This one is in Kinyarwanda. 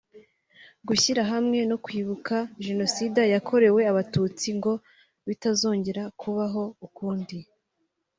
gushyira hamwe no kwibuka Jenoside yakorewe Abatutsi ngo bitazongera kubaho ukundi